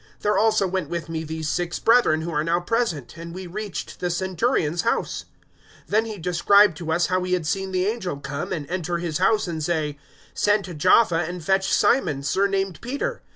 There also went with me these six brethren who are now present, and we reached the Centurion's house. 011:013 Then he described to us how he had seen the angel come and enter his house and say, "`Send to Jaffa and fetch Simon, surnamed Peter.